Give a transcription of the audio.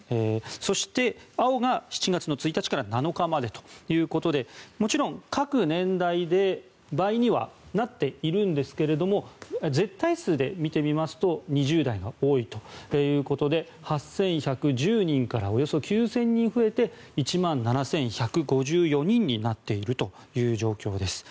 そして、青が７月１日から７日までということでもちろん各年代で倍にはなっているんですけれども絶対数で見てみますと２０代が多いということで８１１０人からおよそ９０００人増えて１万７１５４人になっているという状況です。